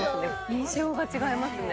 印象が違いますね